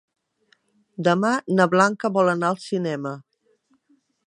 Demà na Blanca vol anar al cinema.